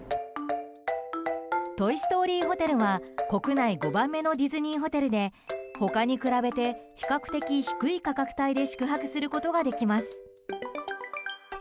トイ・ストーリーホテルは国内５番目のディズニーホテルで他に比べて比較的低い価格帯で宿泊することができます。